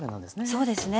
そうですね